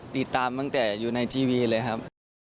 ติดตามตั้งแต่อยู่ในทีวีเลยครับ